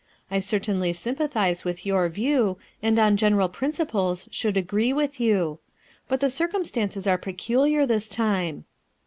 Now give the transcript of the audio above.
I certainly sympathize with your view, and on general principles should agree With you. But the circumstances are peculiar this time."